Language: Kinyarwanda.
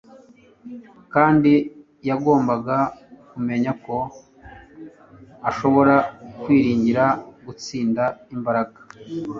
kandi yagombaga kumenya ko ashobora kwiringira gutsinda imbaraga